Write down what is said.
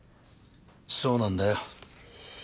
そうなんだよ。